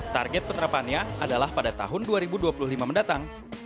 target penerapannya adalah pada tahun dua ribu dua puluh lima mendatang